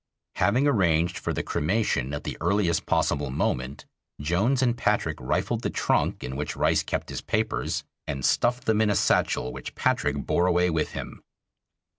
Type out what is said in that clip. Having arranged for the cremation at the earliest possible moment, Jones and Patrick rifled the trunk in which Rice kept his papers, and stuffed them in a satchel which Patrick bore away with him.